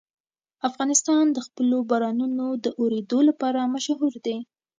افغانستان د خپلو بارانونو د اورېدو لپاره مشهور دی.